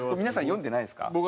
皆さん読んでないですか？